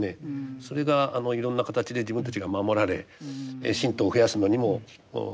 それがいろんな形で自分たちが守られ信徒を増やすのにもいい効果があると。